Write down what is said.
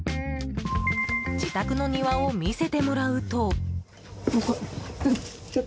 自宅の庭を見せてもらうと。